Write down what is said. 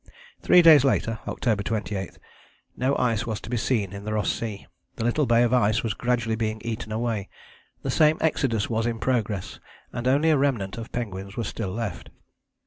Three days later (October 28) no ice was to be seen in the Ross Sea: the little bay of ice was gradually being eaten away: the same exodus was in progress and only a remnant of penguins was still left.